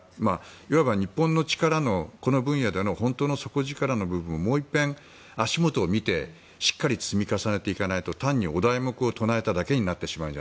いわば日本のこの分野での底力の部分もういっぺん、足元を見てしっかり積み重ねていかないと単にお題目を唱えただけになってしまう。